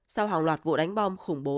sau hàng loạt vụ đánh bom khủng bố